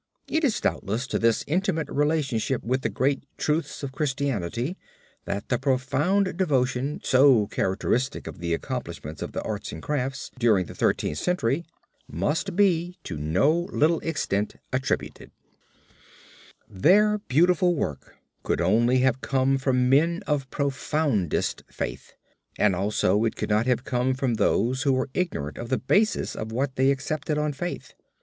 It is doubtless to this intimate relationship with the great truths of Christianity that the profound devotion so characteristic of the accomplishments of the arts and crafts, during the Thirteenth Century, must be to no little extent attributed. {opp136} MADONNA, CIMABUE (RUCELLAI CHAPEL, SANTA MARIA NOVELLA, FLORENCE) Their beautiful work could only have come from men of profoundest faith, but also it could not have come from those who were ignorant of the basis of what they accepted on faith.